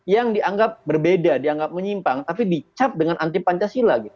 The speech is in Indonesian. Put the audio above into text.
yang dianggap berbeda dianggap menyimpang tapi dicap dengan anti pancasila gitu